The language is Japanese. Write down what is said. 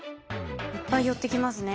いっぱい寄ってきますね。